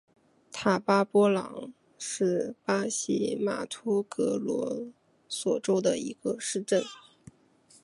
塔巴波朗是巴西马托格罗索州的一个市镇。